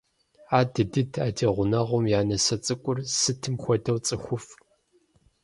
Адыдыд, а ди гъунэгъум я нысэ цӀыкӀур сытым хуэдэу цӀыхуфӏ.